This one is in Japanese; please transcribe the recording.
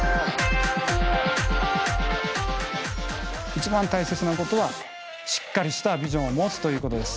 一番大切なことはしっかりしたビジョンを持つということです。